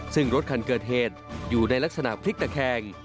ซึ่งรถคันเกิดเหตุอยู่ในลักษณะพลิกตะแคง